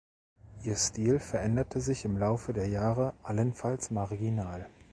Ihr Stil veränderte sich im Laufe der Jahre allenfalls marginal.